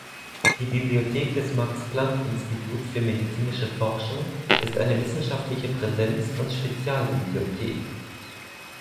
Die Bibliothek des Max-Planck-Instituts für medizinische Forschung ist eine wissenschaftliche Präsenz- und Spezialbibliothek.